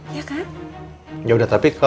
itu kan tanggung jawab besar lho